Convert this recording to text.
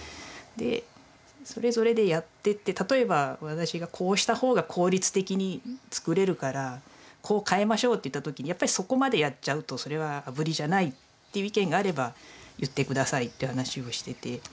でそれぞれでやってって例えば私がこうした方が効率的に作れるからこう変えましょうっていった時にやっぱりそこまでやっちゃうとそれはあぶりじゃないっていう意見があれば言って下さいって話をしてて。